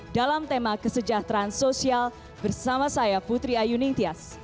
dalam tema kesejahteraan sosial bersama saya putri ayu ningtyas